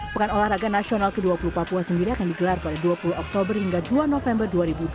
pekan olahraga nasional ke dua puluh papua sendiri akan digelar pada dua puluh oktober hingga dua november dua ribu dua puluh